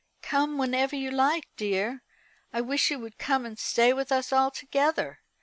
"Come whenever you like, dear. I wish you would come and stay with us altogether.